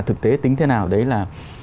thực tế tính thế nào đấy là